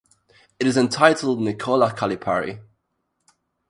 It is entitled to Nicola Calipari.